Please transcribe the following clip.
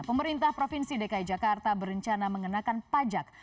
pemerintah provinsi dki jakarta berencana mengenakan pajak